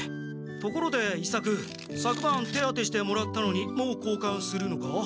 ところで伊作さくばん手当てしてもらったのにもうこうかんするのか？